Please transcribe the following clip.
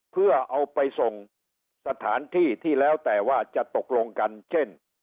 เพื่อเอาไปส่งสถานที่ที่แล้วแต่ว่าจะตกลงกันเช่น